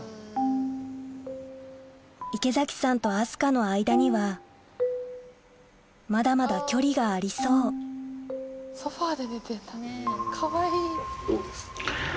池崎さんと明日香の間にはまだまだ距離がありそうソファで寝てんだかわいい。